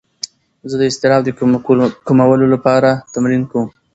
زه د اضطراب د کمولو لپاره تمرین کوم.